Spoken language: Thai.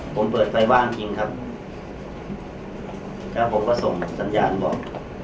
ผมเปิดไฟบ้านจริงครับแล้วผมก็ส่งสัญญาณบอกครับ